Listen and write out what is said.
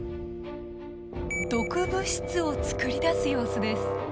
毒物質を作り出す様子です。